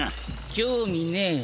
興味ねえよ。